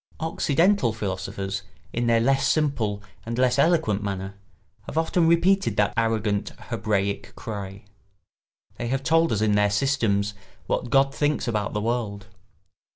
Occidental philosophers, in their less simple and less eloquent manner, have often repeated that arrogant Hebraic cry: they have told us in their systems what God thinks about the world.